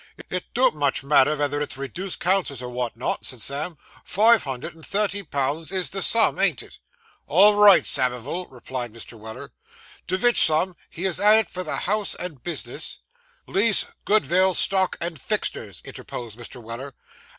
'It don't much matter vether it's reduced counsels, or wot not,' said Sam; 'five hundred and thirty pounds is the sum, ain't it?' 'All right, Samivel,' replied Mr. Weller. 'To vich sum, he has added for the house and bisness ' 'Lease, good vill, stock, and fixters,' interposed Mr. Weller.